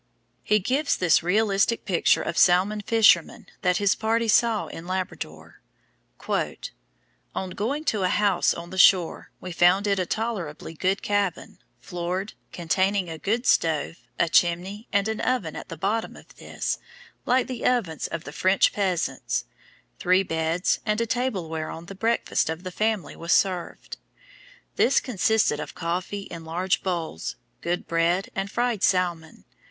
He gives this realistic picture of salmon fishermen that his party saw in Labrador: "On going to a house on the shore, we found it a tolerably good cabin, floored, containing a good stove, a chimney, and an oven at the bottom of this, like the ovens of the French peasants, three beds, and a table whereon the breakfast of the family was served. This consisted of coffee in large bowls, good bread, and fried salmon.